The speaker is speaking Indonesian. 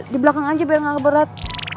di belakang aja biar nggak keberat